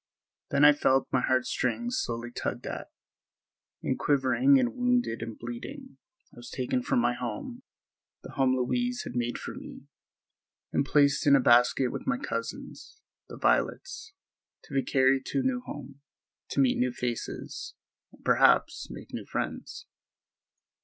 Then I felt my heartstrings slowly tugged at, and quivering and wounded and bleeding I was taken from my home, the home Louise had made for me, and placed in a basket with my cousins, the violets, to be carried to a new home, to meet new faces and perhaps make new friends.